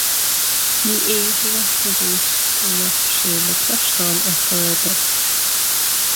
Ní fhéadfainn a chreistiúint go mbeadh sé le cloisteáil ar chor ar bith.